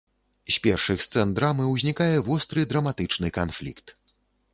З першых сцэн драмы ўзнікае востры драматычны канфлікт.